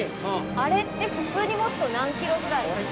あれって普通に持つと何キロぐらいですか？